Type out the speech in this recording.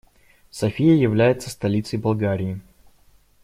София является столицей Болгарии.